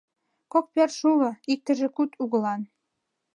Кок пӧртшӧ уло, иктыже куд угылан.